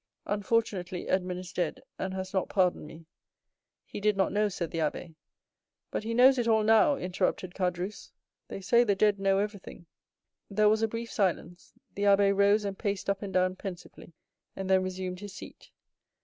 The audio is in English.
"Unfortunately, Edmond is dead, and has not pardoned me." "He did not know," said the abbé. "But he knows it all now," interrupted Caderousse; "they say the dead know everything." There was a brief silence; the abbé rose and paced up and down pensively, and then resumed his seat.